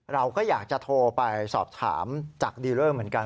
เราก็อยากจะโทรไปสอบถามจากดีเลอร์เหมือนกัน